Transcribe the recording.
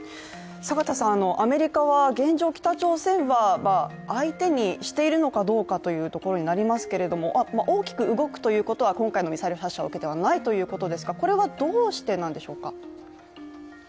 アメリカは現状、北朝鮮は相手にしているのかどうかということになりますけども大きく動くということは今回のミサイル発射を受けてはないということですが、これはどうしてなんでしょうか。